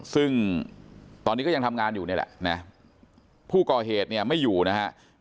ซึ่งตอนนี้ก็ยังทำงานอยู่นี่แหละนะผู้ก่อเหตุเนี่ยไม่อยู่นะฮะ